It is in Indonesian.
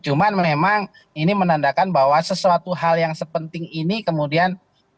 cuman memang ini menandakan bahwa sesuatu hal yang sepenting ini kemudian